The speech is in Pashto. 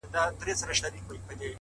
پر نرۍ لښته زنګېده، اخیر پرېشانه سوله.!